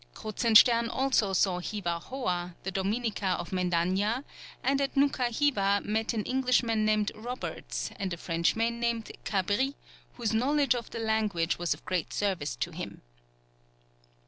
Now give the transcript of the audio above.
Kruzenstern also saw Hiva Hoa, the Dominica of Mendaña, and at Noukha Hiva met an Englishman named Roberts, and a Frenchman named Cabritt, whose knowledge of the language was of great service to him.